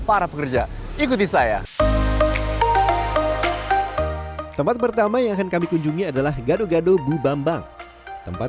para pekerja ikuti saya tempat pertama yang akan kami kunjungi adalah gado gado bubambang tempat